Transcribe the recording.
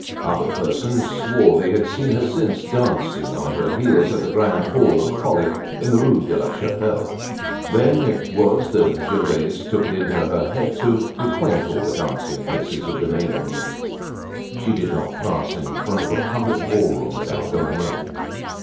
Other persons swore they had seen her since, dancing on her heels at the "Grand Hall of Folly," in the Rue de la Chapelle. Then it was that Gervaise took it into her head to frequent all the dancing places of the neighborhood. She did not pass in front of a public ball room without going in.